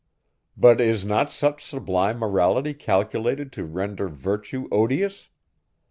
But is not such sublime morality calculated to render virtue odious?